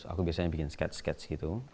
aku biasanya bikin sket sketch gitu